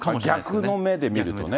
逆の目で見るとね。